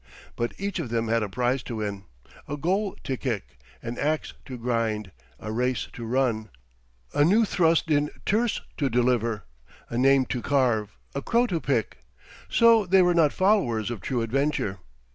But each of them had a prize to win, a goal to kick, an axe to grind, a race to run, a new thrust in tierce to deliver, a name to carve, a crow to pick—so they were not followers of true adventure.